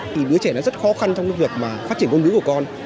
thì đứa trẻ nó rất khó khăn trong việc phát triển công đức của con